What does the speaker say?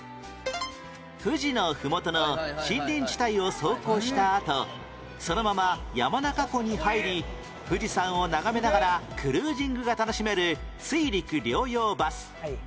富士のふもとの森林地帯を走行したあとそのまま山中湖に入り富士山を眺めながらクルージングが楽しめる水陸両用バス